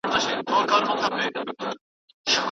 په تګ کي د نورو حقونه نه ضایع کېږي.